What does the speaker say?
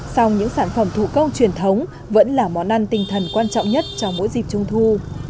song những sản phẩm thủ công truyền thống vẫn là món ăn tinh thần quan trọng nhất trong mỗi dịp trung thu